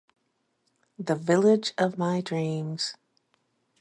The village of my dreams!